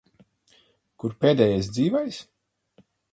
Kur pēdējais dzīvais?